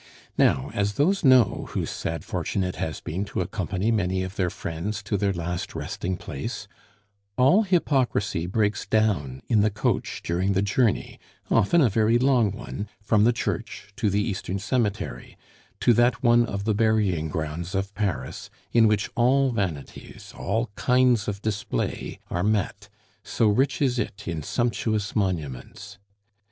Now, as those know whose sad fortune it has been to accompany many of their friends to their last resting place, all hypocrisy breaks down in the coach during the journey (often a very long one) from the church to the eastern cemetery, to that one of the burying grounds of Paris in which all vanities, all kinds of display, are met, so rich is it in sumptuous monuments.